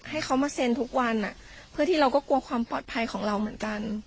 ให้เขามาเซ็นทุกวันเพื่อที่เราก็กลัวความปลอดภัยของเราเหมือนกัน